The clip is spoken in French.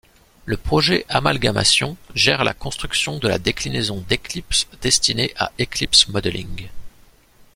Le projet Amalgamation gère la construction de la déclinaison d'Eclipse destiné à Eclipse Modeling.